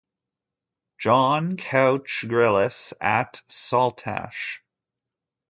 John Couch Grylls at Saltash.